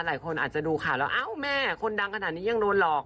หลายคนอาจจะดูข่าวแล้วอ้าวแม่คนดังขนาดนี้ยังโดนหลอก